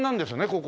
ここ。